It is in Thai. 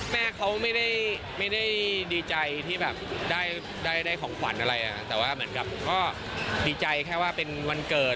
แม่เขาไม่ได้ดีใจที่แบบได้ของขวัญอะไรแต่ว่าเหมือนกับก็ดีใจแค่ว่าเป็นวันเกิด